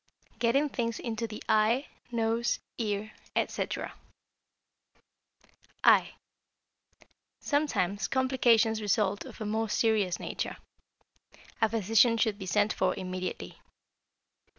Getting Things into the Eye, Nose, Ear, etc. =Eye.= Sometimes complications result of a most serious nature. A physician should be sent for immediately.